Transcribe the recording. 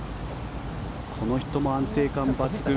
この人も安定感抜群。